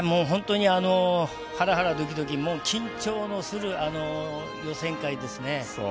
ハラハラ、ドキドキ、緊張のする予選会ですね。